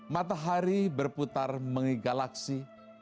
matahari berputar mengelilingi galaksi